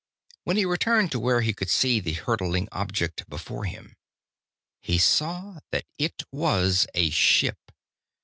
When he returned to where he could see the hurtling object before him, he saw that it was a ship.